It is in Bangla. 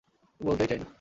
বলতেই চাই না।